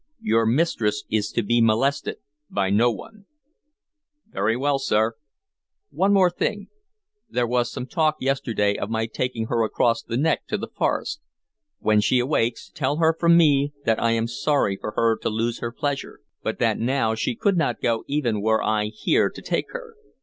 Your mistress is to be molested by no one." "Very well, sir." "One thing more. There was some talk yesterday of my taking her across the neck to the forest. When she awakes, tell her from me that I am sorry for her to lose her pleasure, but that now she could not go even were I here to take her."